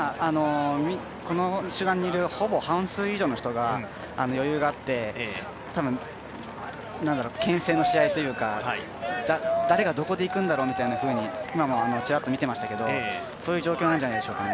この集団にいる、ほぼ半数以上の人が余裕があって多分、けん制のし合いというか誰がどこでいくんだろうみたいなふうに今もちらっと見ていましたけどそういう状況なんじゃないでしょうか。